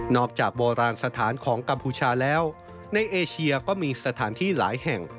จากโบราณสถานของกัมพูชาแล้วในเอเชียก็มีสถานที่หลายแห่ง